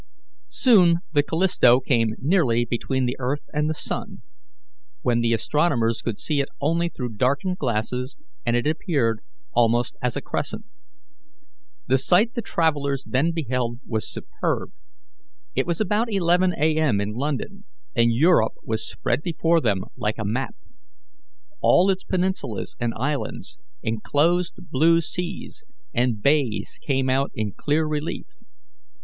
'" Soon the Callisto came nearly between the earth and the sun, when the astronomers could see it only through darkened glasses, and it appeared almost as a crescent. The sight the travellers then beheld was superb. It was about 11 A. M. in London, and Europe was spread before them like a map. All its peninsulas and islands, enclosed blue seas, and bays came out in clear relief.